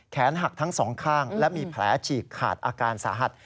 หักทั้งสองข้างและมีแผลฉีกขาดอาการสาหัส